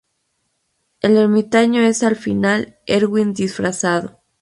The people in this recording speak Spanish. El ermitaño es al final Erwin disfrazado.